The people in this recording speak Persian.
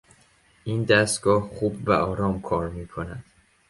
این دستگاه خوب و آرام کار میکند.